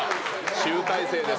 集大成です。